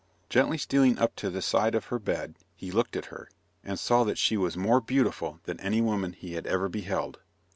Gently stealing up to the side of her bed he looked at her, and saw that she was more beautiful than any woman he had ever beheld.